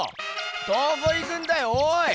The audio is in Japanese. どこ行くんだよおい！